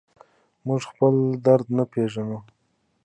موږ خپل درد نه پېژنو.